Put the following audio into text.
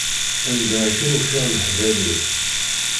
Anda akken ufiɣ leḥbab-iw.